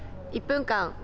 「１分間！